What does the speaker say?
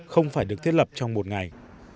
không phải được thiết lập trong một ngày